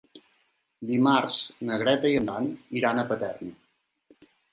Dimarts na Greta i en Dan iran a Paterna.